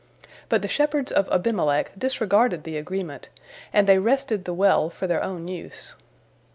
But the shepherds of Abimelech disregarded the agreement, and they wrested the well for their own use.